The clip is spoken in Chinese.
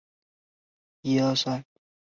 蒂尔施内克是德国图林根州的一个市镇。